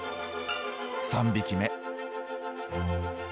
３匹目。